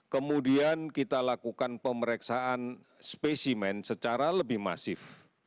kemudian kita lakukan pemeriksaan spesimen secara lebih masif